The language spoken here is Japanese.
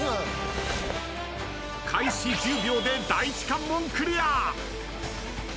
開始１０秒で第１関門クリア。